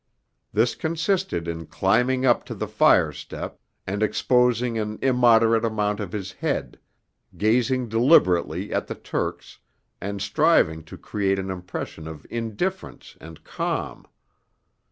This consisted in climbing up to the firestep, and exposing an immoderate amount of his head; gazing deliberately at the Turks, and striving to create an impression of indifference and calm.